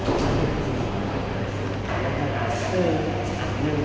จึงโบรกัน